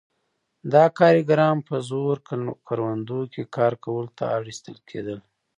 دا کارګران په زور کروندو کې کار کولو ته اړ ایستل کېدل.